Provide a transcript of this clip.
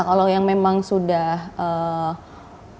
kalau yang memang sudah eee